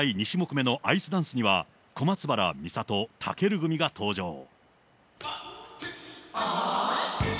２種目目のアイスダンスには、小松原美里・尊組が登場。